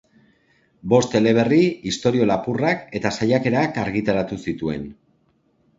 Bost eleberri, istorio lapurrak eta saiakerak argitaratu zituen.